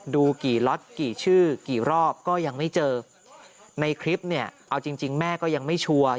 ดูกี่ล็อตกี่ชื่อกี่รอบก็ยังไม่เจอในคลิปเนี่ยเอาจริงจริงแม่ก็ยังไม่ชัวร์